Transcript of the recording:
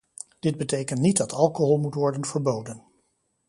Dit betekent niet dat alcohol moet worden verboden.